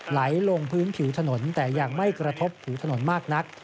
ไหลลงพื้นผิวถนนแต่ยังไม่กระทบผิวถนนมากนัก